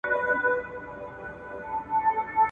له تيارو مه وېرېږئ.